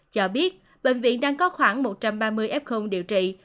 cho biết bệnh viện đang có khoảng một trăm ba mươi f điều trị